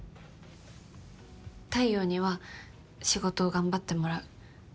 太陽には仕事を頑張ってもらう。